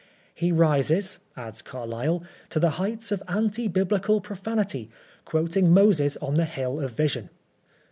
"He rises," adds Carlyle, "to the heights of Anti Biblical profanity, quoting Moses on the Hill of Vision."